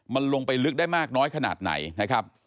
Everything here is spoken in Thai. มันลงไปลึกได้มากน้อยขนาดไหนนะครับ